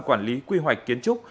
quản lý quy hoạch kiến trúc